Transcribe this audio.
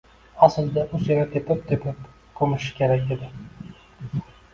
Aslida u seni tepib-tepib ko‘mishi kerak edi